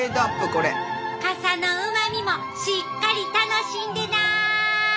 傘のうまみもしっかり楽しんでな！